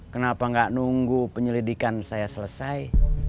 kenapa nggak nunggu penyelidikan saya selesai